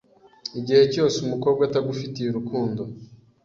Igihe cyose umukobwa atagufitiye urukundo